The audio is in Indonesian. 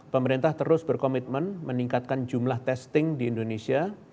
pemerintah terus berkomitmen meningkatkan jumlah testing di indonesia